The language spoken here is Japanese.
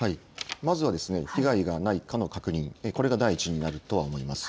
まずは被害がないかの確認、これが第一になるとは思います。